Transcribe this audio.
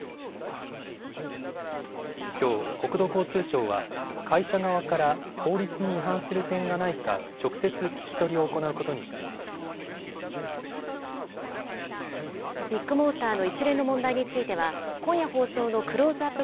きょう、国土交通省は、会社側から法律に違反する点がないか、直接聞き取りを行うことにしていまビッグモーターの一連の問題については、今夜放送のクローズアップ